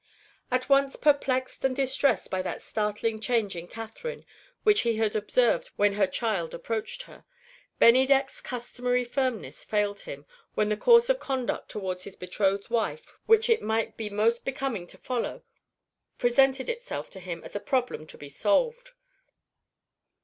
At once perplexed and distressed by that startling change in Catherine which he had observed when her child approached her, Bennydeck's customary firmness failed him, when the course of conduct toward his betrothed wife which it might be most becoming to follow presented itself to him as a problem to be solved.